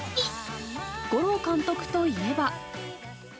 吾朗監督といえば。